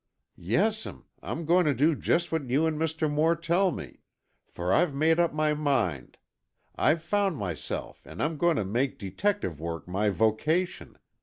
"Yes'm, I'm going to do just what you and Mr. Moore tell me. For I've made up my mind. I've found myself and I'm going to make detective work my vocation.